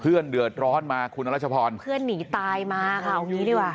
เดือดร้อนมาคุณรัชพรเพื่อนหนีตายมาค่ะเอางี้ดีกว่า